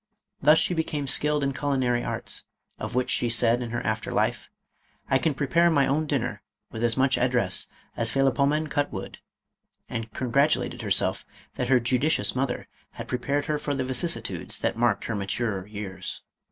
Thus she became skilled in culinary arts, of which she said in her after life, " I can prepare my own dinner with as much address as Philopcemen cut wood," and con gratulated herself that her judicious mother had pre pared her for the vicissitudes that marked her maturer years.